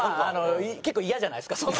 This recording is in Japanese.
結構イヤじゃないですかその。